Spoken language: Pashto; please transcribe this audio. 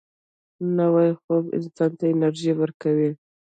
نوی خوب انسان ته انرژي ورکوي